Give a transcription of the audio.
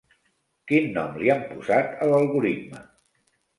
Quin nom li han posat a l'algoritme?